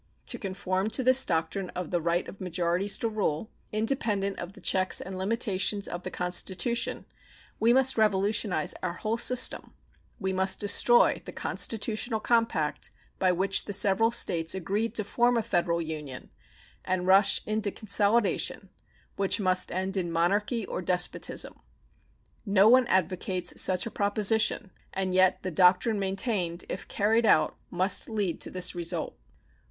To conform to this doctrine of the right of majorities to rule, independent of the checks and limitations of the Constitution, we must revolutionize our whole system; we must destroy the constitutional compact by which the several States agreed to form a Federal Union and rush into consolidation, which must end in monarchy or despotism. No one advocates such a proposition, and yet the doctrine maintained, if carried out, must lead to this result.